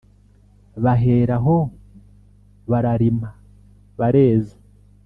Bahera aho bararima bareza